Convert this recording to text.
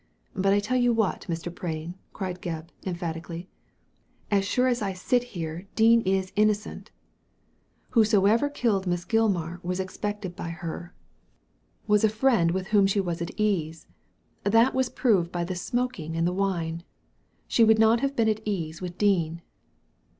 But I tell you what, Mr. Prain," cried Gebb, emphatically, "as sure as I sit here Dean is innocent! Whosoever killed Miss Gilmar was expected by her ; was a friend with whom she Digitized by Google 158 THE LADY FROM NOWHERE was at her ease ; that is proved by the smoking and the wine. She would not have been at ease with Dean."